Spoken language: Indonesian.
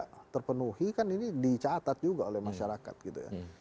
ternyata kampanye yang ini tidak terpenuhi kan ini dicatat juga oleh masyarakat gitu ya